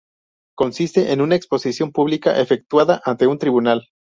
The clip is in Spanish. Consiste en una exposición pública efectuada ante un Tribunal.